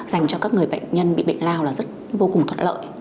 dành cho các người bệnh nhân bị bệnh lao là rất vô cùng thuận lợi